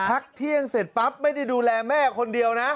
พักเที่ยงเสร็จปั๊บไม่ได้ดูแลแม่คนเดียวนะ